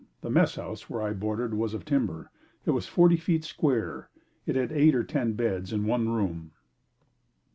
The messhouse where I boarded, was of timber. It was forty feet square. It had eight or ten beds in one room.